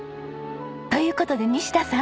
という事で西田さん。